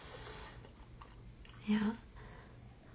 いや。